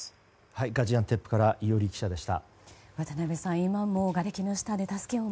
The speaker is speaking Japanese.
ガジアンテップから伊従記者でした。